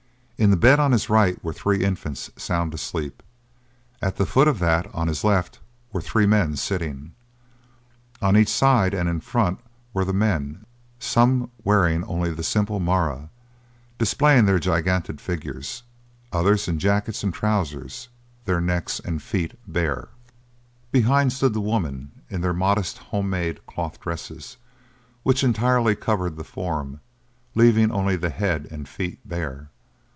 In the bed on his right were three infants sound asleep; at the foot of that on his left were three men sitting. On each side and in front were the men, some wearing only the simple mara, displaying their gigantic figures; others in jackets and trousers, their necks and feet bare; behind stood the women, in their modest home made cloth dresses, which entirely covered the form, leaving only the head and feet bare.